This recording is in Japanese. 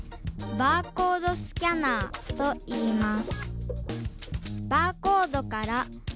バーコードスキャナーいきます！